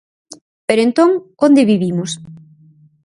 ¿Pero entón onde vivimos?